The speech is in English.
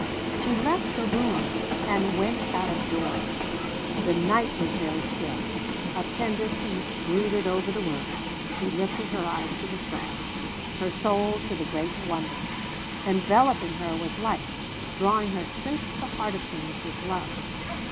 She left her room and went out of doors. The night was very still. A tender peace brooded over the world. She lifted her eyes to the stars her soul to the great Wonder. Enveloping her was Life drawing her straight to the heart of things was Love.